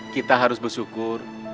kita harus bersyukur